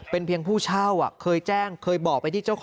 เป็นเพียงผู้เช่าเคยแจ้งเคยบอกไปที่เจ้าของ